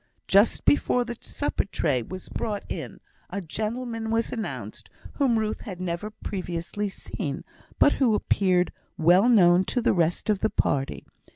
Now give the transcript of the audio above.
Just before the supper tray was brought in, a gentleman was announced whom Ruth had never previously seen, but who appeared well known to the rest of the party.